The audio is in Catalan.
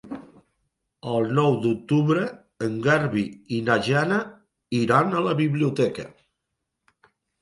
El nou d'octubre en Garbí i na Jana iran a la biblioteca.